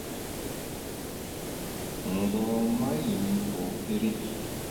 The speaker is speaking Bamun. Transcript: Mgbom-a yùm pokéri.